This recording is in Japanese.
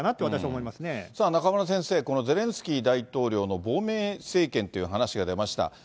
私は思いまさあ、中村先生、このゼレンスキー大統領の亡命政権という話が出ました。